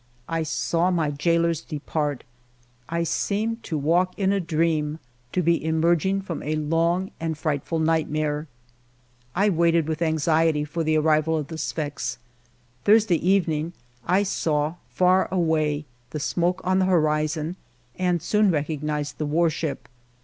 I saw my jailers depart. I seemed to walk in a dream, to be emerging from a long and frightful nightmare. I waited with anxiety for the arrival of the Sfax. Thursday evening I saw, far away, the smoke on the horizon and soon recognized the war ship.